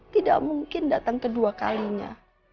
tidak mungkin datang kedua kalinya